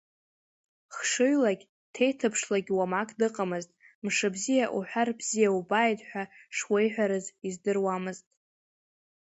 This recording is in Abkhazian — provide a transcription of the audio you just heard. Хшыҩлагь, ҭеиҭыԥшлагь уамак дыҟамызт, мшыбзиа уҳәар, бзиа убааит ҳәа шуеиҳәарыз издыруамызт.